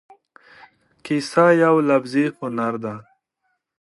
کیسه یو لفظي هنر دی.